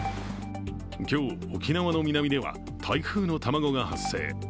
今日、沖縄の南では台風の卵が発生。